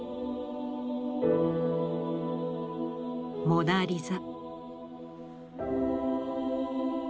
「モナ・リザ」。